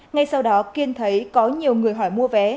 ngay sau đó kiên thấy có nhiều người hỏi mua vé